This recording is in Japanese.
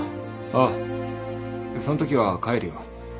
ああそんときは帰るよ。